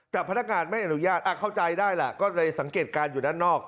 แต่พนักงานไม่อนุญาตเข้าใจได้แหละก็เลยสังเกตการณ์อยู่ด้านนอก